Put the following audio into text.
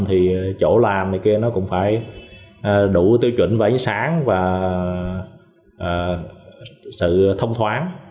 thì chỗ làm này kia nó cũng phải đủ tiêu chuẩn và ánh sáng và sự thông thoáng